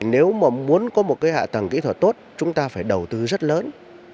nếu mà muốn có một cái hạ tầng kỹ thuật tốt chúng ta phải đầu tư rất lớn